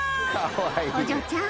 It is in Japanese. お嬢ちゃん